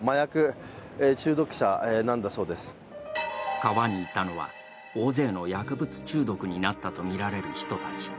川にいたのは、大勢の薬物中毒になったとみられる人たち。